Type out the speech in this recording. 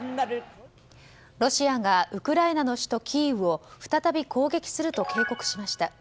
ロシアがウクライナの首都キーウを再び攻撃すると警告しました。